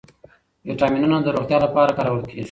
ویټامینونه د روغتیا لپاره کارول کېږي.